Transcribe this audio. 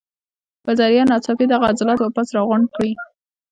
پۀ ذريعه ناڅاپي دغه عضلات واپس راغونډ کړي